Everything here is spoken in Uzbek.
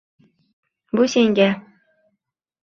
Bu senga